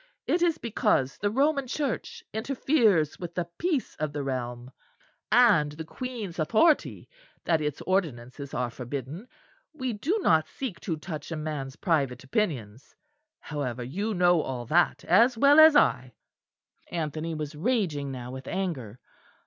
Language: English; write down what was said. It is because the Roman Church interferes with the peace of the realm and the Queen's authority that its ordinances are forbidden; we do not seek to touch a man's private opinions. However, you know all that as well as I." Anthony was raging now with anger.